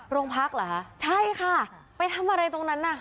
โรงพักเหรอคะใช่ค่ะไปทำอะไรตรงนั้นน่ะ